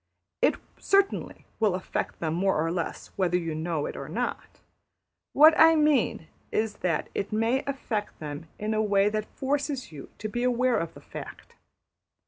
It certainly will affect them more or less whether you know it or not. What I mean is that it may affect them in a way that forces you to be aware of the fact.